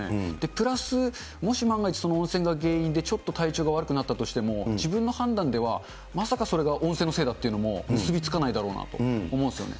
プラスもし万が一、その温泉が原因でちょっと体調が悪くなったとしても、自分の判断ではまさかそれが温泉のせいだっていうのも結び付かないだろうなと思いますよね。